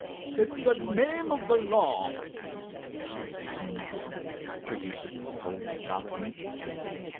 "In the name of the law," he began with assumed dignity, producing a folded document.